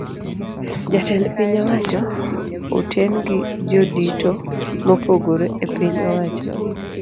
Jatend piny owacho oten gi jodito mopogore epiny owacho.